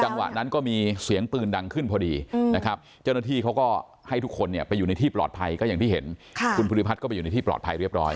จังหวะนั้นก็มีเสียงปืนดังขึ้นพอดีนะครับเจ้าหน้าที่เขาก็ให้ทุกคนเนี่ยไปอยู่ในที่ปลอดภัยก็อย่างที่เห็นคุณภูริพัฒน์ก็ไปอยู่ในที่ปลอดภัยเรียบร้อย